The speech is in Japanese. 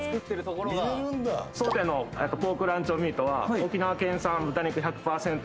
当店のポークランチョンミートは沖縄県産豚肉１００％